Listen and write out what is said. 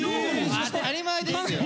当たり前ですよ！